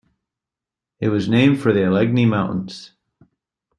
It was named for the Allegheny Mountains.